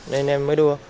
nên em mới đua